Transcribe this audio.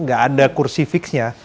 nggak ada kursi fixnya